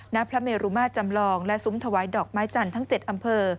ณพระเมรุมาจำลองและซุ้มถวายดอกไม้จันทร์ทั้ง๗อำเภอ